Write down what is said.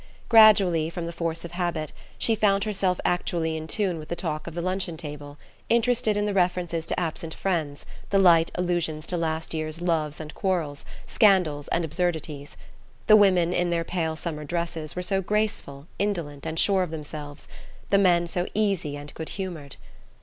Gradually, from the force of habit, she found herself actually in tune with the talk of the luncheon table, interested in the references to absent friends, the light allusions to last year's loves and quarrels, scandals and absurdities. The women, in their pale summer dresses, were so graceful, indolent and sure of themselves, the men so easy and good humoured!